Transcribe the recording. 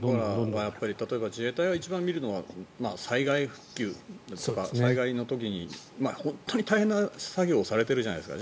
だから、例えば自衛隊を一番見るのは災害復旧とか災害の時に本当に大変な作業をされているじゃないですか。